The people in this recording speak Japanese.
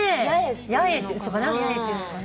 八重っていうのかな。